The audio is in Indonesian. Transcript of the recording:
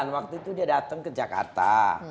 waktu itu dia datang ke jakarta